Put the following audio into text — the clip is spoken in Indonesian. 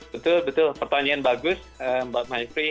betul betul pertanyaan bagus mbak maifri